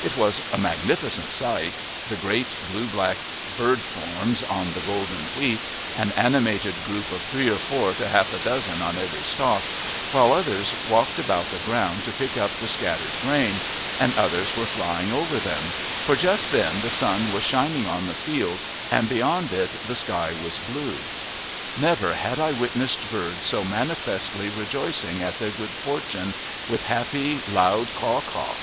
It was a magnificent sight the great, blue black bird forms on the golden wheat, an animated group of three or four to half a dozen on every stock, while others walked about the ground to pick up the scattered grain, and others were flying over them, for just then the sun was shining on the field and beyond it the sky was blue. Never had I witnessed birds so manifestly rejoicing at their good fortune, with happy, loud caw caw.